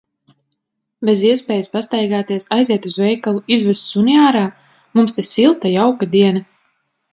Bez iespējas pastaigāties, aiziet uz veikalu, izvest suni ārā? Mums te silta, jauka diena.